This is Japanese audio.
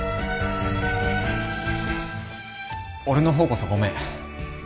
俺のほうこそごめん